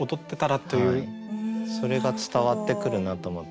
それが伝わってくるなと思って。